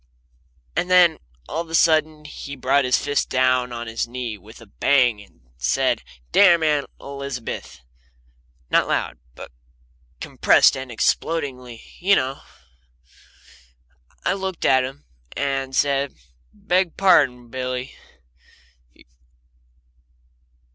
And then all of a sudden he brought his fist down on his knee with a bang and said, "Damn Aunt Elizabeth!" not loud, but compressed and explodingly, you know. I looked at him, and he said: "Beg pardon. Billy.